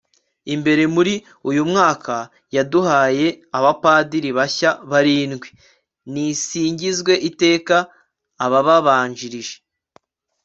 imbere. muri uyu mwaka yaduhaye abapadiri bashya barindwi. nisingizwe iteka. ababanjirije